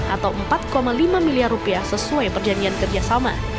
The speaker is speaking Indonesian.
atau empat lima miliar rupiah sesuai perjanjian kerjasama